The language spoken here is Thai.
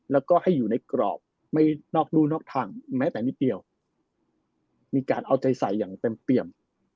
แล้วก็ให้อยู่ในกรอบไม่นอกรู่นอกทางแม้แต่นิดเดียวมีการเอาใจใส่อย่างเต็มเปี่ยม